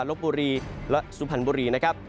ลบบุรีและสุพรรณบุรีนะครับ